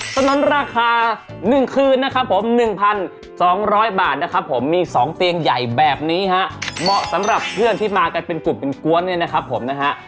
ถนนราคา๑คืนนะครับผม๑๒๐๐บาทนะครับผมมี๒เตียงใหญ่แบบนี้ฮะเหมาะสำหรับเพื่อนที่มากันเป็นกลุ่มเป็นกวนเนี่ยนะครับผมนะฮะ